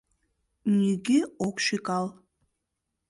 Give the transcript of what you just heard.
Нигӧ ок шӱкал.